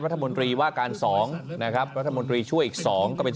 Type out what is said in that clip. รัฐมนตรีว่าการ๒นะครับรัฐมนตรีช่วยอีก๒ก็เป็น